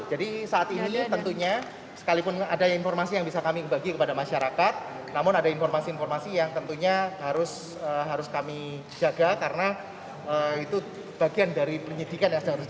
jadi saat ini tentunya sekalipun ada informasi yang bisa kami bagi kepada masyarakat namun ada informasi informasi yang tentunya harus kami jaga karena itu bagian dari penyidikan yang sedang terjadi